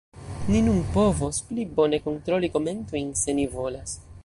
Ni nun povos pli bone kontroli komentojn, se ni volas.